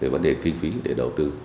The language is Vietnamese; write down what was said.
vấn đề kinh phí để đầu tư